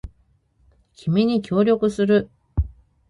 君に協力する